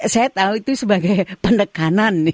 saya tahu itu sebagai penekanan